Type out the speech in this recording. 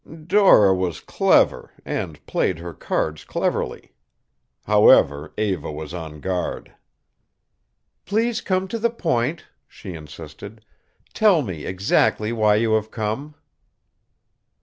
Dora was clever and played her cards cleverly. However, Eva was on guard. "Please come to the point," she insisted. "Tell me exactly why you have come."